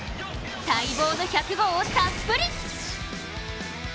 待望の１００号をたっぷり！